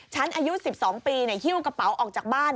อายุ๑๒ปีฮิ้วกระเป๋าออกจากบ้าน